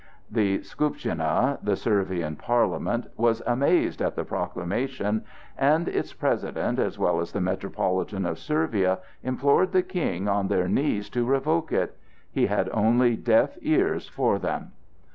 The Skuptshina (the Servian Parliament) was amazed at the proclamation, and its president as well as the Metropolitan of Servia implored the King on their knees to revoke it. He had only deaf ears for them.